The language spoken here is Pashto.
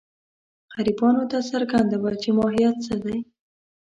غربیانو ته څرګنده وه چې ماهیت څه دی.